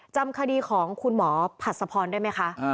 จำคดีของคุณหมอผัดสะพรได้ไหมคะ